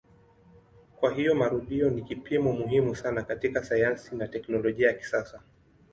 Kwa hiyo marudio ni kipimo muhimu sana katika sayansi na teknolojia ya kisasa.